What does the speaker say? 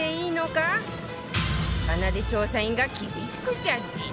かなで調査員が厳しくジャッジ！